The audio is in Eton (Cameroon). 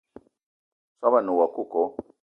Soobo a ne woua coco